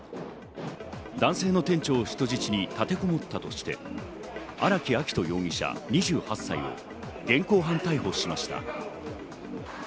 男性の店長を人質に立てこもったとして、荒木秋冬容疑者２８歳を現行犯逮捕しました。